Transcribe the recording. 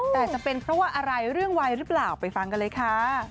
แต่จะเป็นเพราะว่าอะไรเรื่องวัยหรือเปล่าไปฟังกันเลยค่ะ